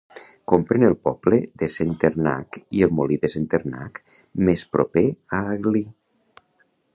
Comprèn el poble de Centernac i el Molí de Centernac, més proper a l'Aglí.